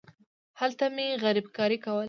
هلته مې غريبکاري کوله.